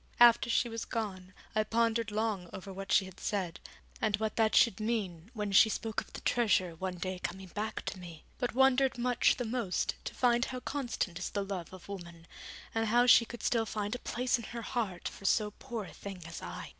After she was gone I pondered long over what she had said, and what that should mean when she spoke of the treasure one day coming back to me: but wondered much the most to find how constant is the love of woman, and how she could still find a place in her heart for so poor a thing as I.